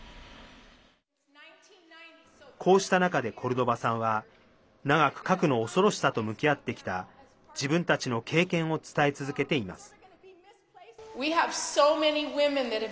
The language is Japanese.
こうした中で、コルドバさんは長く核の恐ろしさと向き合ってきた自分たちの経験を伝え続けています。